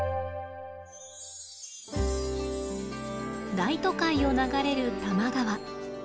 大都会を流れる多摩川。